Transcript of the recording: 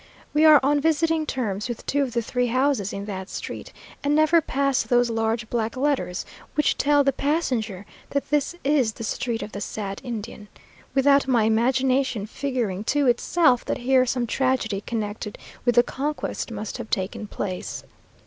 We are on visiting terms with two or three houses in that street, and never pass those large black letters, which tell the passenger that this is the street of "The Sad Indian," without my imagination figuring to itself that here some tragedy connected with the conquest must have taken place.